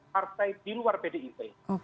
partai di luar pdip